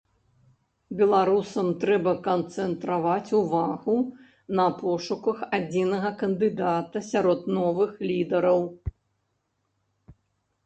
Беларусам трэба канцэнтраваць увагу на пошуках адзінага кандыдата сярод новых лідараў.